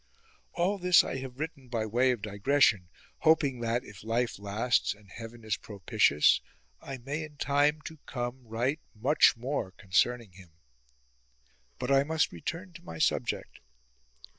All this I have written by way of digression, hoping that, if life lasts and Heaven is propitious, I may in time to come write much more concerning him. 12. But I must return to my subject.